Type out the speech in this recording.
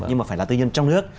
nhưng mà phải là tư nhân trong nước